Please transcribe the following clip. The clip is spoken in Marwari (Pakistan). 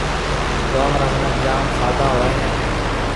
گوم را مِنک جام سادھ ھوئيَ ھيََََ